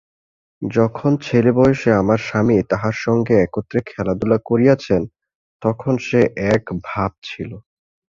যখন ছেলেবয়সে আমার স্বামী তাঁহার সঙ্গে একত্রে খেলাধুলা করিয়াছেন তখন সে এক ভাব ছিল।